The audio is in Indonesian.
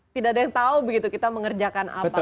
tidak ada yang tahu begitu kita mengerjakan apa